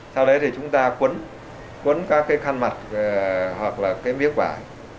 sau đấy thì chúng ta quấn các cái khăn mặt hoặc là cái miếc vải